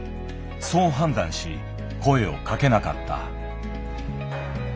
そう判断し声をかけなかった。